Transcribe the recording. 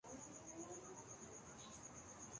تو کیا اہل سیاست سے خیر کی توقع نہیں رکھنی چاہیے؟